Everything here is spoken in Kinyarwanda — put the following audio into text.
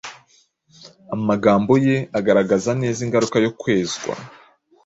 Amagambo ye agaragaza neza ingaruka y’uko kwezwa